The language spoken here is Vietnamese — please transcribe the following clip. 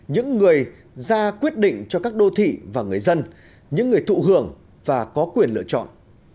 những người ra quyết định cho các đô thị và người dân những người thụ hưởng và có quyền lựa chọn